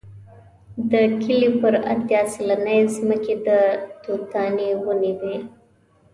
د کلي پر اتیا سلنې ځمکې د توتانو ونې وې.